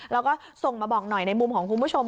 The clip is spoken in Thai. แล้วก็ส่งมาบอกหน่อยในมุมของคุณผู้ชม